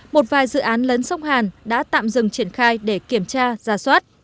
một vài dự án lấn sông hàn đã tạm dừng triển khai để kiểm tra giả soát